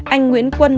anh nguyễn quân